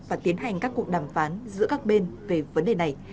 và tiến hành các cuộc đàm phán giữa các bên về vấn đề này